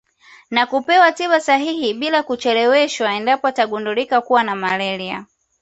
Na kupewa tiba sahihi bila kucheleweshwa endapo atagundulika kuwa na malaria